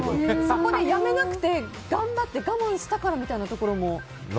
そこで辞めなくて頑張って我慢したからみたいなところも。